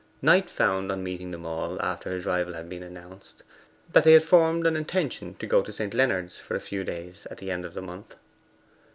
Knight found, on meeting them all, after his arrival had been announced, that they had formed an intention to go to St. Leonards for a few days at the end of the month.